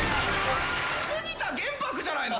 杉田玄白じゃないの！